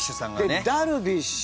でダルビッシュ。